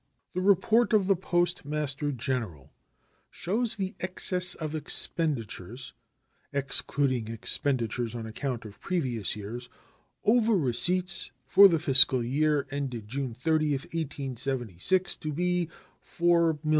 The report of the Postmaster General shows the excess of expenditures (excluding expenditures on account of previous years) over receipts for the fiscal year ended June 30, 1876, to be $4,151,988.